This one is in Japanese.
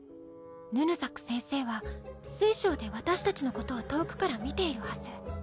ヌヌザック先生は水晶で私たちのことを遠くから見ているはず。